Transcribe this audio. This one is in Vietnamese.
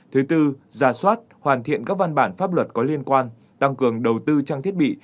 thứ tư giả soát hoàn thiện các văn bản pháp luật có liên quan tăng cường đầu tư trang thiết bị